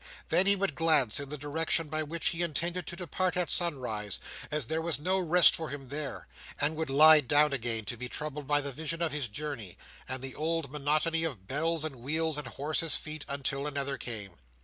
Then he would glance in the direction by which he intended to depart at sunrise, as there was no rest for him there; and would lie down again, to be troubled by the vision of his journey, and the old monotony of bells and wheels and horses' feet, until another came.